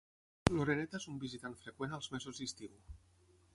L'oreneta és un visitant freqüent als mesos d'estiu.